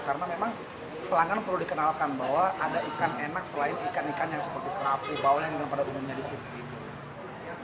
karena memang pelanggan perlu dikenalkan bahwa ada ikan enak selain ikan ikan yang seperti kerapi bawanya dan pada umumnya disini